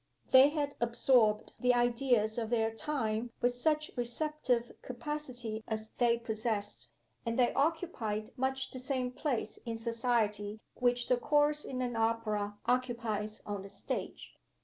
They had absorbed the ideas of their time with such receptive capacity as they possessed; and they occupied much the same place in society which the chorus in an opera occupies on the stage.